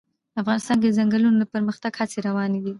افغانستان کې د ځنګلونه د پرمختګ هڅې روانې دي.